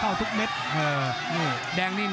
ภูตวรรณสิทธิ์บุญมีน้ำเงิน